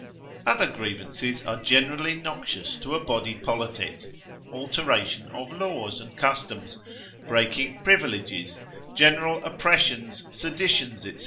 Other common grievances are generally noxious to a body politic; alteration of laws and customs, breaking privileges, general oppressions, seditions, &c.